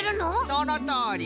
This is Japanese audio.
そのとおり！